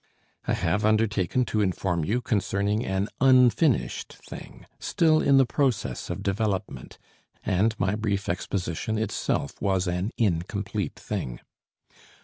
I have undertaken to inform you concerning an unfinished thing, still in the process of development, and my brief exposition itself was an incomplete thing.